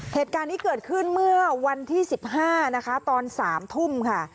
เหตุการณ์นี้เกิดขึ้นเมื่อวันที่๑๕นะคะตอน๓ทุ่มค่ะ